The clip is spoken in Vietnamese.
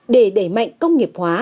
để đẩy mạnh công nghiệp hóa